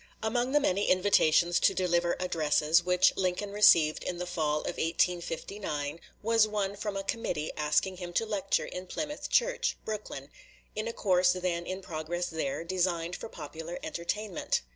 Among the many invitations to deliver addresses which Lincoln received in the fall of 1859, was one from a committee asking him to lecture in Plymouth Church, Brooklyn, in a course then in progress there, designed for popular entertainment.